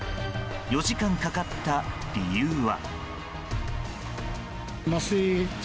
４時間かかった理由は。